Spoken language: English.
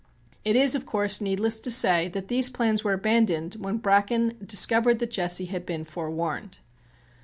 It is, of course, needless to say that these plans were abandoned when Bracken discovered that Jesse had been forewarned.